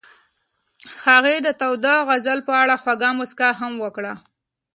هغې د تاوده غزل په اړه خوږه موسکا هم وکړه.